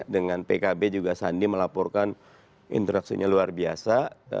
dengan pkb juga sandi melaporkan interaksinya luar biasa